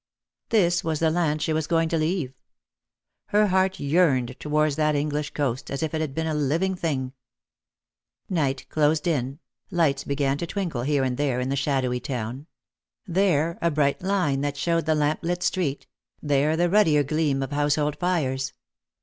This was the land she was going to leave. Her heart yearned towards that English coast as if it had been a living thing. 218 jbost for Love. Night closed in ; lights began to twinkle here and there in the shadowy town ; there a bright line that showed the lamplit street, there the ruddier gleam of household fires.